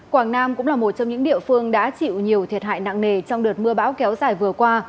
quảng nam cũng là một trong những địa phương đã chịu nhiều thiệt hại nặng nề trong đợt mưa bão kéo dài vừa qua